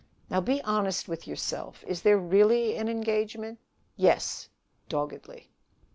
"Now, be honest with yourself. Is there really an engagement?" "Yes," doggedly.